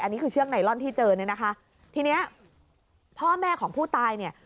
อันนี้คือเชือกไนลอนที่เจอเนี่ยนะคะทีเนี้ยพ่อแม่ของผู้ตายเนี่ย